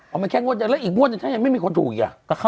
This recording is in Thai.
เอามาแค่งวดเดียวแล้วอีกบ้วนถ้าไม่มีคนถูกอีกอ่ะ